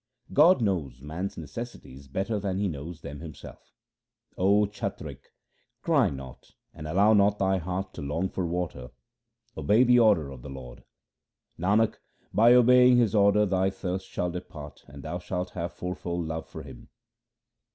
HYMNS OF GURU AMAR DAS 245 God knows man's necessities better than he knows them himself :— O chatrik, cry not and allow not thy heart to long for water ; obey the order of the Lord. Nanak, by obeying His order thy thirst shall depart, and thou shalt have fourfold love for Him.